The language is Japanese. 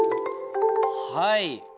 はい。